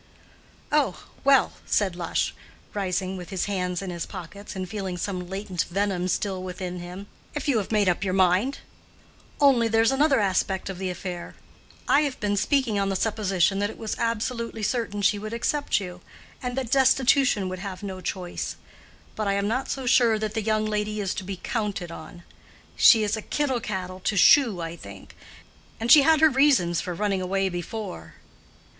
"Oh, well," said Lush, rising with his hands in his pockets, and feeling some latent venom still within him, "if you have made up your mind!—only there's another aspect of the affair. I have been speaking on the supposition that it was absolutely certain she would accept you, and that destitution would have no choice. But I am not so sure that the young lady is to be counted on. She is kittle cattle to shoe, I think. And she had her reasons for running away before."